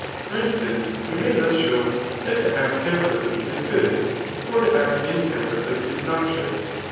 For instance, [we may thus show] that to act temperately is good ; fpr to act intemperately isqoxious.